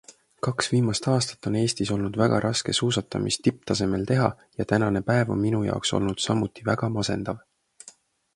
Kaks viimast aastat on Eestis olnud väga raske suusatamist tipptasemel teha ja tänane päev on minu jaoks olnud samuti väga masendav.